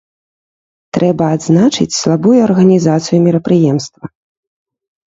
Трэба адзначыць слабую арганізацыю мерапрыемства.